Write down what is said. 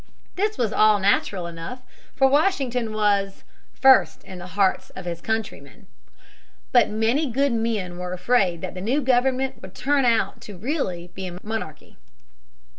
This was all natural enough, for Washington was "first in the hearts of his countrymen." But many good men were afraid that the new government would really turn out to be a monarchy.